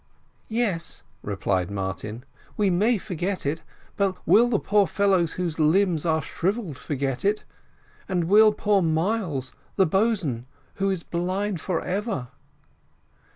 "Yes," replied Martin, "we may forget it, but will the poor fellows whose limbs are shrivelled forget it? and will poor Miles, the boatswain, who is blind for ever?"